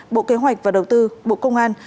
bộ kế hoạch và đầu tư bộ công an